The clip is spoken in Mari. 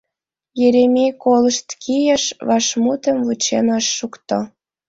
Еремей колышт кийыш — вашмутым вучен ыш шукто.